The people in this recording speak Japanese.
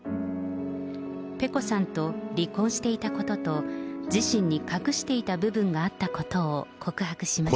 ペコさんと離婚していたことと、自身に隠していた部分があったことを告白しました。